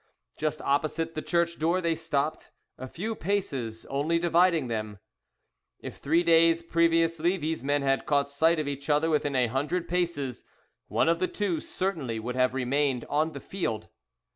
Just opposite the church door they stopped, a few paces only dividing them. If three days previously these men had caught sight of each other within a hundred paces, one of the two certainly would have remained on the field.